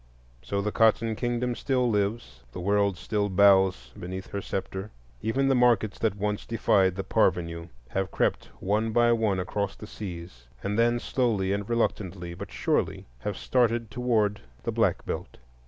So the Cotton Kingdom still lives; the world still bows beneath her sceptre. Even the markets that once defied the parvenu have crept one by one across the seas, and then slowly and reluctantly, but surely, have started toward the Black Belt.